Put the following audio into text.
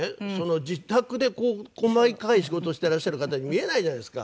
自宅でこう細かい仕事をしていらっしゃる方に見えないじゃないですか。